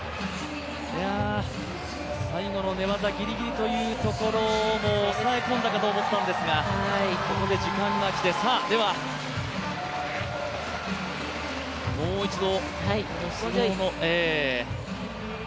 最後の寝技、ぎりぎりというところ抑え込んだかと思ったんですがここで時間がきて、ではもう一度。